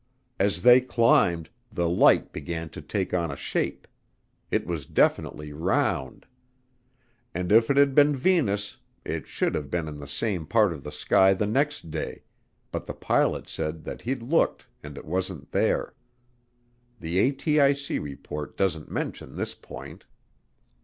As they climbed, the light began to take on a shape; it was definitely round. And if it had been Venus it should have been in the same part of the sky the next day, but the pilot said that he'd looked and it wasn't there. The ATIC report doesn't mention this point.